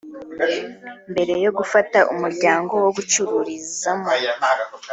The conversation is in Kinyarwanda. Mbere yo gufata umuryango wo gucururizamo